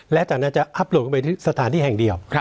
และจากนั้นจะอัพโหลดเข้าไปสถานที่แห่งเดียว